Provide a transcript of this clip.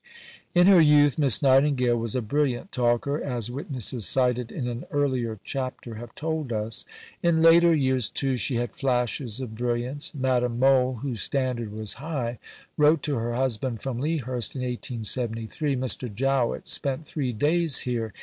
In her youth Miss Nightingale was a brilliant talker, as witnesses cited in an earlier chapter have told us. In later years, too, she had flashes of brilliance. Madame Mohl, whose standard was high, wrote to her husband from Lea Hurst in 1873: "Mr. Jowett spent three days here.